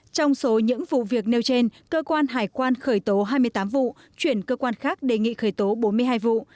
trong số những vụ việc nêu trên cơ quan hải quan khởi tố hai mươi tám vụ chuyển cơ quan khác đề nghị khởi tố bốn mươi hai vụ